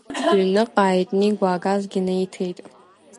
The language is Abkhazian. Дҩныҟааит Нигәа, агазгьы неиҭеит.